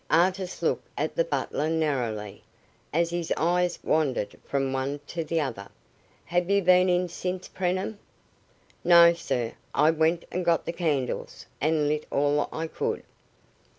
Artis looked at the butler narrowly, as his eyes wandered from one to the other. "Have you been in since, Preenham?" "No, sir. I went and got the candles, and lit all I could."